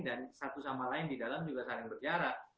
dan satu sama lain di dalam juga saling berjarak